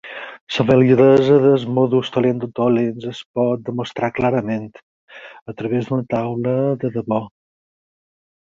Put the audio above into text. La validesa del "modus tollendo tollens" es pot demostra clarament a través d'una taula de debò.